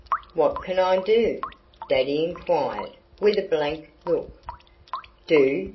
"What can I do?" Daddy inquired with a blank look. "Do!"